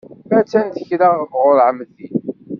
Attan tekra ɣur ɛemti.